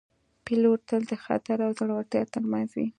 پیلوټ تل د خطر او زړورتیا ترمنځ وي